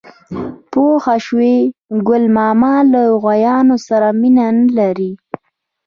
_پوه شوې؟ ګل ماما له غوايانو سره مينه نه لري.